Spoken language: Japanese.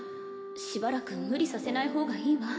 しばらく無理させない方がいいわ